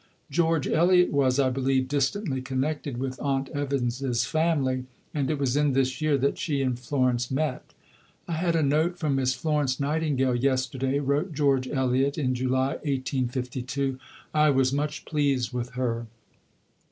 George Eliot was, I believe, distantly connected with "Aunt Evans's" family; and it was in this year that she and Florence met. "I had a note from Miss Florence Nightingale yesterday," wrote George Eliot in July 1852; "I was much pleased with her.